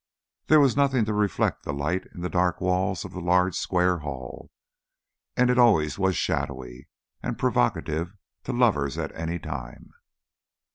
There was nothing to reflect the light in the dark walls of the large square hall, and it always was shadowy, and provocative to lovers at any time.